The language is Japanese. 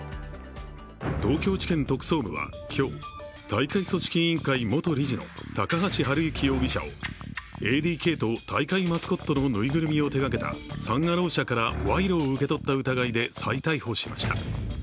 東京地検特捜部は今日大会組織委員会元理事の高橋治之容疑者をＡＤＫと大会マスコットのぬいぐるみを手がけたサン・アロー社から賄賂を受け取った疑いで再逮捕しました。